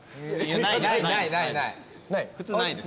普通ないです。